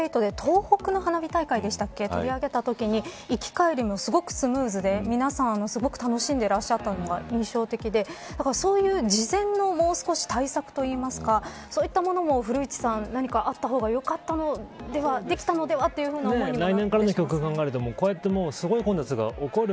先日めざまし８で東北の花火大会でしたっけ取り上げたときに行き帰り、もすごくスムーズで皆さん、すごく楽しんでいらっしゃったのが印象的でだからそういう、事前のもう少し対策というかそういったものも何かあった方がよかったのではできたのではという思いがね。